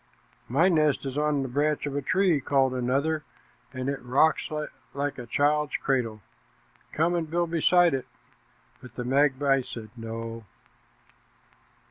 "My nest is on the branch of a tree," called another, "and it rocks like a child's cradle. Come and build beside it," but the magpie said "No."